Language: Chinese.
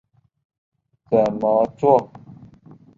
怎么作？